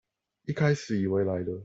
一開始以為來了